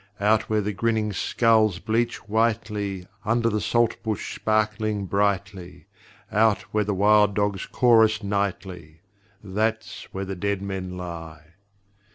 Out where the grinning skulls bleach whitely Under the saltbush sparkling brightly; Out where the wild dogs chorus nightly That's where the dead men lie!